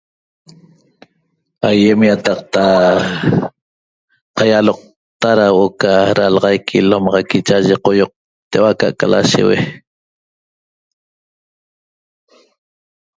Aýem ýataqta qaialoqta da huo'o ca dalaxaic ilomaxaqui cha'aye qoioqteua'a aca'aca lasheue